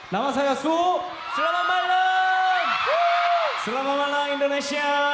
nama saya su selamat malam selamat malam indonesia